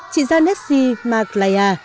chị gianessi maglia